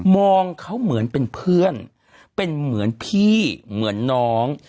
มองเขาเหมือนเป็นเพื่อนเป็นเหมือนพี่เหมือนน้อง